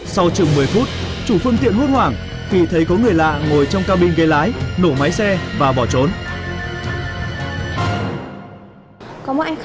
sau chừng một mươi phút chủ phương tiện hút hoảng khi thấy có người lạ ngồi trong cabin ghế lái nổ máy xe và bỏ trốn